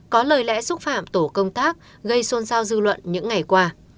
có lời lẽ xúc phạm tổ công tác gây xôn xao dư luận những ngày qua